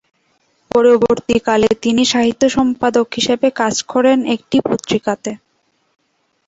পরবর্তীকালে তিনি সাহিত্য সম্পাদক হিসেবে কাজ করেন একটি পত্রিকাতে।